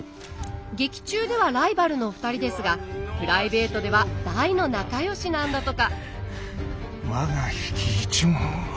劇中ではライバルのお二人ですがプライベートでは大の仲よしなんだとか我が比企一門を。